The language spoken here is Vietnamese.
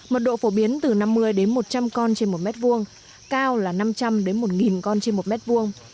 mật độ phổ biến từ năm mươi đến một trăm linh con trên một mét vuông cao là năm trăm linh đến một con trên một mét vuông